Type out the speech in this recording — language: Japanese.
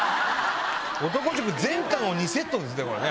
男塾全巻を２セットですね、これね。